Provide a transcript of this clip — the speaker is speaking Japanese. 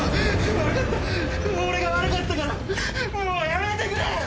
悪かった俺が悪かったからもうやめてくれ！